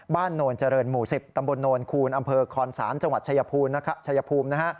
บ้านโนร์เจริญหมู่๑๐ตำบลโนร์คูลอำเภอคอนสานจังหวัดชายภูมิ